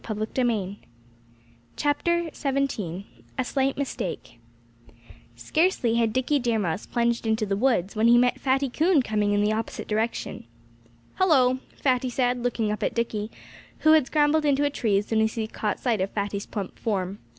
XVII A SLIGHT MISTAKE Scarcely had Dickie Deer Mouse plunged into the woods when he met Fatty Coon coming in the opposite direction. "Hullo!" Fatty said, looking up at Dickie, who had scrambled into a tree as soon as he caught sight of Fatty's plump form.